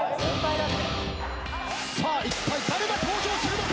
さあいったい誰が登場するのか？